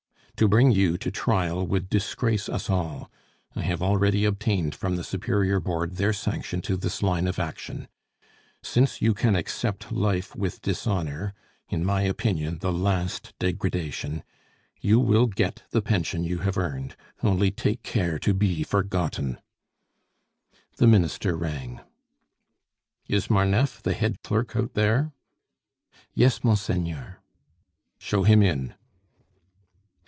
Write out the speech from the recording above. "To bring you to trial would disgrace us all. I have already obtained from the superior Board their sanction to this line of action. Since you can accept life with dishonor in my opinion the last degradation you will get the pension you have earned. Only take care to be forgotten." The Minister rang. "Is Marneffe, the head clerk, out there?" "Yes, monseigneur." "Show him in!"